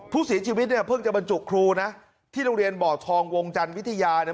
ผู้เสียชีวิตเนี่ยเพิ่งจะบรรจุครูนะที่โรงเรียนบ่อทองวงจันทร์วิทยาเนี่ย